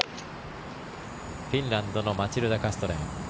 フィンランドのマチルダ・カストレン。